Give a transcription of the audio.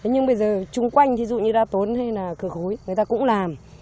nhưng bây giờ chung quanh ví dụ như đa tốn hay là cửa khối người ta cũng làm